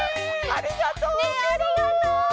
ありがとうケロ！